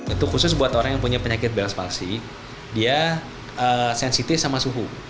itu khusus buat orang yang punya penyakit belas maksi dia sensitif sama suhu